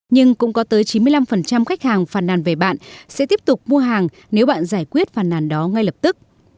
nhưng cũng có tới chín mươi năm khách hàng phản nàn về bạn sẽ tiếp tục mua hàng nếu bạn giải quyết phàn nàn đó ngay lập tức